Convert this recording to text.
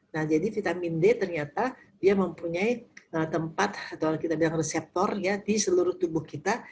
nah jadi vitamin d ternyata dia mempunyai tempat atau kita bilang reseptor ya di seluruh tubuh kita